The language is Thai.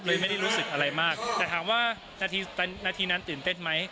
ไม่ได้รู้สึกอะไรมากแต่ถามว่านาทีนาทีนั้นตื่นเต้นไหม